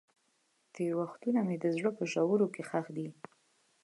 تېر وختونه مې د زړه په ژورو کې ښخ دي.